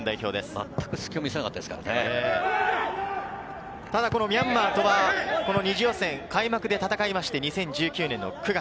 まったく隙を見せなかっただこのミャンマーとは２次予選開幕で戦いまして２０１９年の９月。